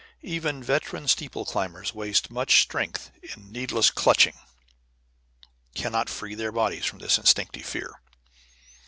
Even veteran steeple climbers waste much strength in needless clutching; cannot free their bodies from this instinctive fear.